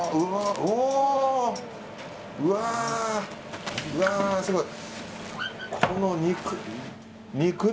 うわー、すごい。